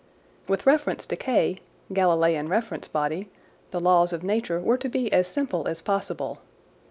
With reference to K (Galileian reference body) the laws of nature were to be as simple as possible.